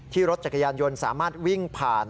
รถจักรยานยนต์สามารถวิ่งผ่าน